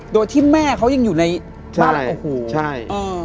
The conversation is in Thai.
โดยที่แม่เขายังอยู่ในบ้าน